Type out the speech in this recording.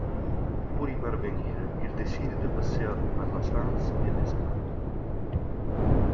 Pour y parvenir il décide de passer par la France et l'Espagne.